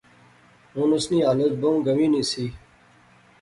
ہن اس نی حالت بہوں گنوی نی سی